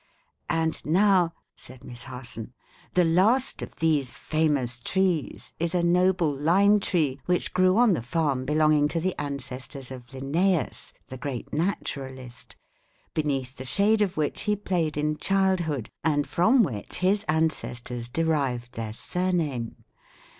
And now," said Miss Harson, "the last of these famous trees is a noble lime tree which grew on the farm belonging to the ancestors of Linnaeus, the great naturalist, beneath the shade of which he played in childhood, and from which his ancestors derived their surname.